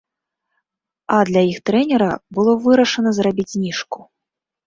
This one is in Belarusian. А для іх трэнера было вырашана зрабіць зніжку.